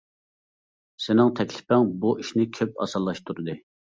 سېنىڭ تەكلىپىڭ بۇ ئىشنى كۆپ ئاسانلاشتۇردى.